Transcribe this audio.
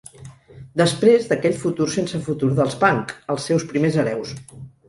Després d’aquell futur sense futur dels punk, els seus primers hereus.